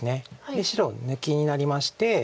で白抜きになりまして。